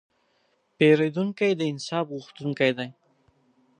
پیرودونکی د انصاف غوښتونکی دی.